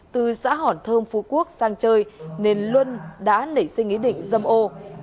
từ xã hỏn thơm phú quốc sang chơi nên luân đã nảy sinh ý định dâm ô